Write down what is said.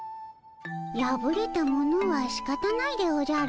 やぶれたものはしかたないでおじゃる。